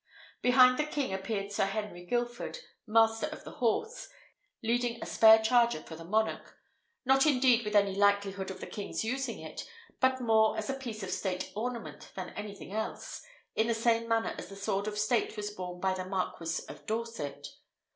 Behind the king appeared Sir Henry Guilford, master of the horse, leading a spare charger for the monarch; not indeed with any likelihood of the king's using it, but more as a piece of state ornament than anything else, in the same manner as the sword of state was borne by the Marquis of Dorset.